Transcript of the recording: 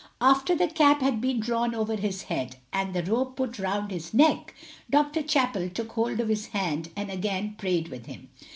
After the cap had been drawn over his head and the rope put round his neck, Dr. Cappell took hold of his hand and again prayed with him.